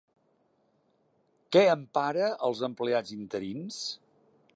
Què empara als empleats interins?